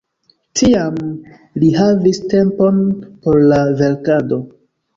Tiam li havis tempon por la verkado.